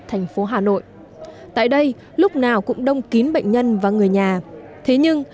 thành phố hà nội tại đây lúc nào cũng đông kín bệnh nhân và người nhà thế nhưng